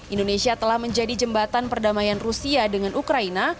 indonesia telah menjadi jembatan perdamaian rusia dengan ukraina